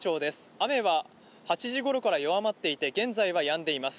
雨は８時ごろから弱まっていて現在はやんでいます。